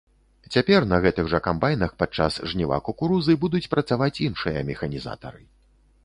Цяпер на гэтых жа камбайнах падчас жніва кукурузы будуць працаваць іншыя механізатары.